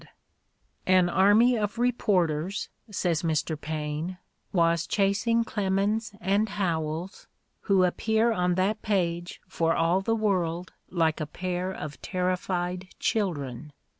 240 The Ordeal of Mark Twain "An army of reporters," says Mr. Paine, "was chasing Clemens and Howells," who appear on that page for all the world like a pair of terrified children.